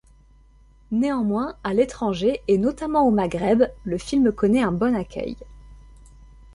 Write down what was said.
Néanmoins, à l’étranger et notamment au Maghreb, le film connaît un bon accueil.